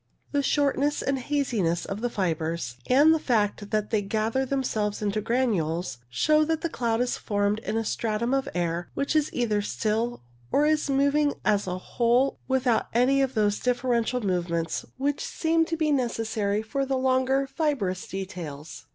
The shortness and haziness of the fibres, and the fact that they gather themselves into granules, shows that the cloud is formed in a stratum of air which is either still, or is moving as a whole, without any of those differential movements which seem to be necessary for the longer fibrous details.